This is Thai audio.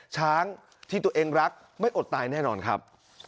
ช้างที่ตัวเองรักไม่อดตายแน่นอนครับ